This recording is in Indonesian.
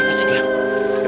udah ustadz diam